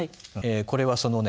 これはそのね